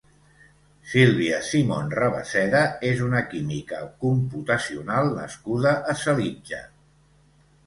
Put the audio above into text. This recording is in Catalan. Sílvia Simon Rabasseda és una química computacional nascuda a Salitja.